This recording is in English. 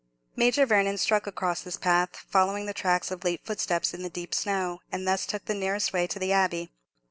Major Vernon struck across this path, following the tracks of late footsteps in the deep snow, and thus took the nearest way to the Abbey.